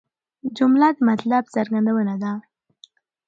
جمله د مطلب څرګندونه ده.